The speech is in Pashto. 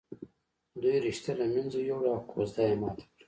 دوی رشته له منځه ويوړه او کوژده یې ماته کړه